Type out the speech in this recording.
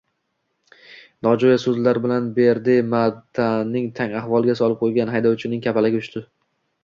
Nojo’ya so’zlari bilan Berdimamatni tang ahvolga solib qo’ygan haydovchining kapalagi uchdi.